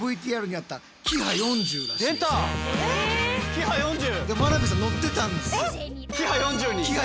キハ４０。